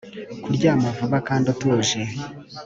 kuryama vuba kandi utuje